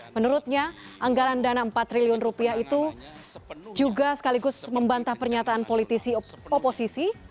menurutnya anggaran dana empat triliun rupiah itu juga sekaligus membantah pernyataan politisi oposisi